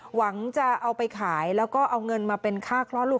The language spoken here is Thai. หวังจะเอาไปขายแล้วก็เอาเงินมาเป็นค่าคลอดลูก